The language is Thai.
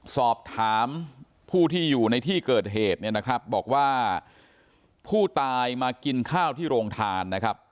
สอบถามผู้ที่อยู่ในที่เกิดเหตุเนี่ยนะครับบอกว่าผู้ตายมากินข้าวที่โรงทานนะครับ